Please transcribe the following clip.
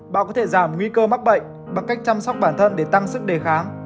bà có thể giảm nguy cơ mắc bệnh bằng cách chăm sóc bản thân để tăng sức đề kháng